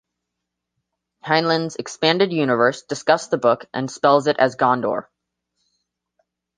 Heinlein's "Expanded Universe" discusses the book, and spells it as Gondor.